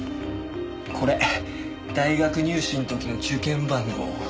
これ大学入試の時の受験番号。